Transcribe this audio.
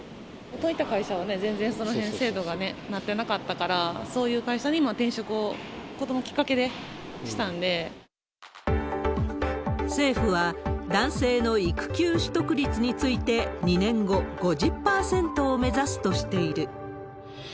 元いた会社は全然、そういう制度がなってなかったから、そういう会社に転職を、政府は、男性の育休取得率について２年後、５０％を目指すとしている。